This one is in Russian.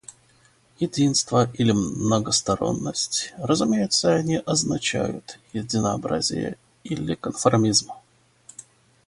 Единство или многосторонность, разумеется, не означают единообразие или конформизм.